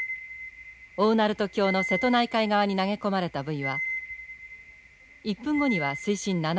大鳴門橋の瀬戸内海側に投げ込まれたブイは１分後には水深７ｍ。